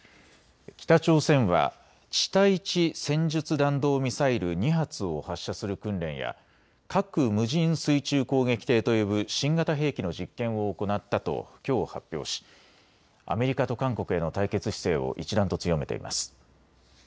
北朝鮮は地対地戦術弾道ミサイル２発を発射する訓練や核無人水中攻撃艇と呼ぶ新型兵器の実験を行ったときょう発表しアメリカと韓国への対決姿勢を一段と強めています。